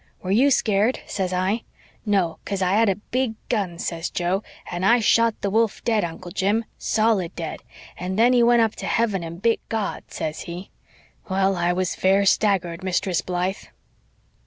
'Were you scared?' says I. 'No, 'cause I had a big gun,' says Joe, 'and I shot the wolf dead, Uncle Jim, solid dead and then he went up to heaven and bit God,' says he. Well, I was fair staggered, Mistress Blythe."